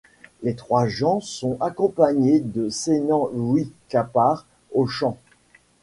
Les trois Jean sont accompagnés du Sénan Louis Capart au chant.